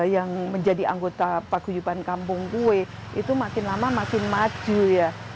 yang menjadi anggota paguyuban kampung kue itu makin lama makin maju ya